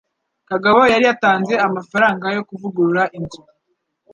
Kagabo yari yatanze amafaranga yo kuvugurura inzU